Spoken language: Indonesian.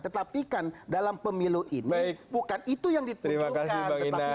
tetapi kan dalam pemilu ini bukan itu yang ditunjukkan